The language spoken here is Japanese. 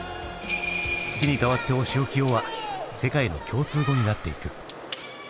「月にかわっておしおきよ」は世界の共通語になっていく。